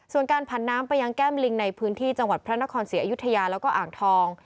ส่วนการผันน้ำไปยังแก้มลิงในพื้นที่จังหวัดพระนครศรีอยุธยาแล้วก็อ่างทอง